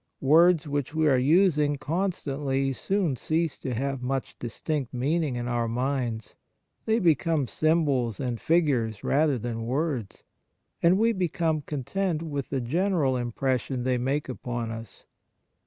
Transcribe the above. Words which we are using con stantly soon cease to have much distinct meaning in our minds. They become symbols and figures rather than words, and we become content with the general impression they make upon us.